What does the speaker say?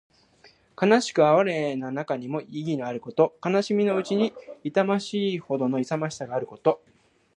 悲しく哀れな中にも意気のあること。悲しみのうちにも痛ましいほどの勇ましさのあること。